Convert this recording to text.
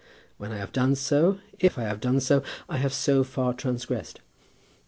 When I have done so, if I have done so, I have so far transgressed.